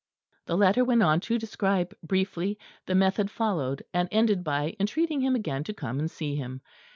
The letter went on to describe briefly the method followed, and ended by entreating him again to come and see him.